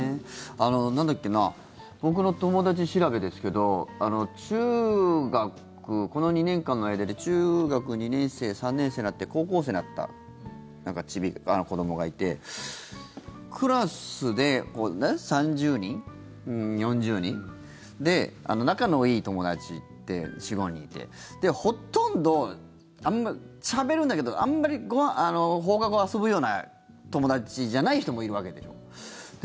なんだっけな僕の友達調べですけどこの２年間の間で中学２年生、３年生になって高校生になった子どもがいてクラスで３０人、４０人で仲のいい友達って４５人いてほとんどしゃべるんだけどあまり放課後遊ぶような友達じゃない人もいるわけでしょ。